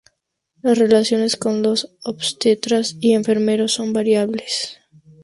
Las relaciones con los obstetras y enfermeros son variables.